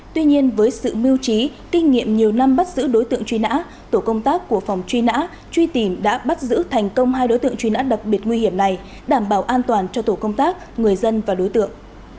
tuy nhiên với sự mưu trí kinh nghiệm nhiều năm bắt giữ đối tượng truy nã tổ công tác của phòng truy nã truy tìm đã bắt giữ thành công hai đối tượng truy nã đặc biệt nguy hiểm này đảm bảo an toàn cho tổ công tác người dân và đối tượng